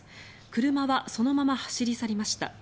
車はそのまま走り去りました。